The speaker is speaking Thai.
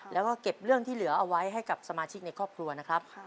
แล้วก็เก็บเรื่องที่เหลือเอาไว้ให้กับสมาชิกในครอบครัวนะครับ